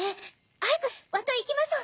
早く私と行きましょう。